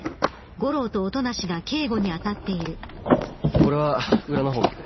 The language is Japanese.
俺は裏の方見てくる。